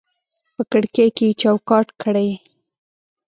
په کړکۍ کې یې چوکاټ کړي